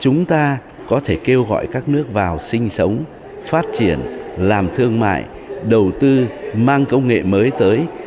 chúng ta có thể kêu gọi các nước vào sinh sống phát triển làm thương mại đầu tư mang công nghệ mới tới